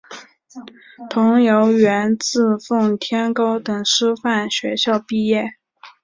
佟兆元自奉天高等师范学校毕业。